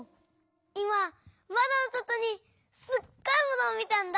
いままどのそとにすっごいものをみたんだ！